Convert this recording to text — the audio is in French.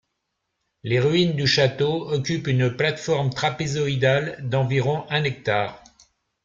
Les ruines du château occupent une plate-forme trapézoïdale d'environ un hectare.